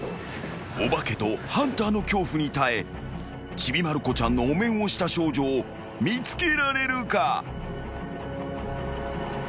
［お化けとハンターの恐怖に耐えちびまる子ちゃんのお面をした少女を見つけられるか？］